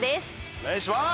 お願いします！